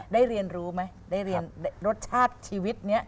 ได้เรียนรู้มั้ยได้เรียนรสชาติชีวิตเนี่ย